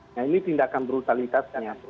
nah ini tindakan brutalitasnya